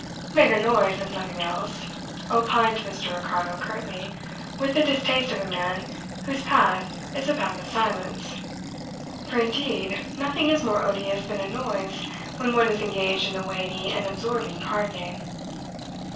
"Make a noise, if nothing else," opined Mr. Ricardo curtly, with the distaste of a man whose path is a path of silence; for indeed, nothing is more odious than a noise when one is engaged in a weighty and absorbing card game.